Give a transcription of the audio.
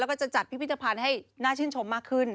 แล้วก็จะจัดพิพิธภัณฑ์ให้น่าชื่นชมมากขึ้น